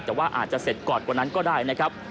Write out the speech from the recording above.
แต่ว่าอาจจะเสร็จก่อนกว่านั้นก็ได้นะครับ